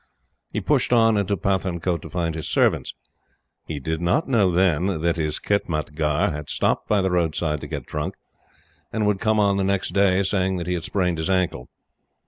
He pushed on into Pathankote to find his servants. He did not know then that his khitmatgar had stopped by the roadside to get drunk, and would come on the next day saying that he had sprained his ankle.